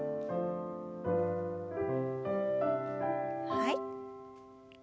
はい。